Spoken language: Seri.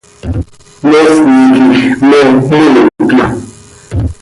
¿Moosni quij me moiicöya?